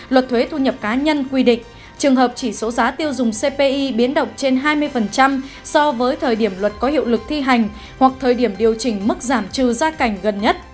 luật thuế thu nhập cá nhân quy định trường hợp chỉ số giá tiêu dùng cpi biến động trên hai mươi so với thời điểm luật có hiệu lực thi hành hoặc thời điểm điều chỉnh mức giảm trừ gia cảnh gần nhất